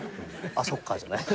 「あっそっか」じゃない。